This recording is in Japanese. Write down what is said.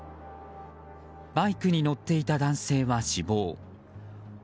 バイクに乗っていた男性は死亡。